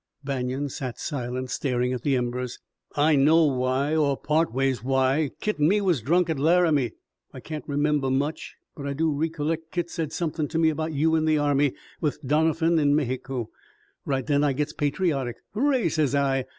Banion sat silent, staring at the embers. "I know why, or part ways why. Kit an' me was drunk at Laramie. I kain't remember much. But I do ree colleck Kit said something to me about you in the Army, with Donerphan in Mayheeco. Right then I gits patriotic. 'Hooray!' says I.